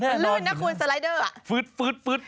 เป็นเลื่อนนะคุณสไลด์เดอร์